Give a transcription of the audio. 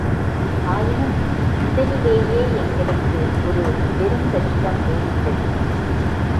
ஆயினும் முதலிலேயே எங்களுக்கு ஒரு பெருங்கஷ்டம் நேரிட்டது.